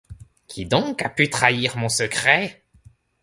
Qui donc a pu trahir mon secret